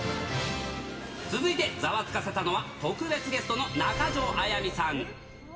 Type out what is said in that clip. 続いてざわつかせたのは、特別ゲストの中条あやみさん。